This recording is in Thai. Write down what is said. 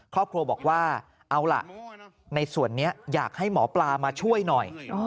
ครอบครัวบอกว่าเอาล่ะในส่วนนี้อยากให้หมอปลามาช่วยหน่อย